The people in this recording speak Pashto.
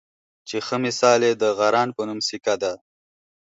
چې ښۀ مثال یې د غران پۀ نوم سیکه ده